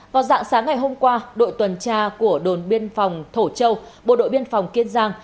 vào dạng sáng ngày hôm qua đội tuần tra của đồn biên phòng thổ châu bộ đội biên phòng kiên giang